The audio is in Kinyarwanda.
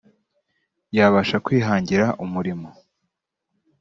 yabasha kwihangira umurimo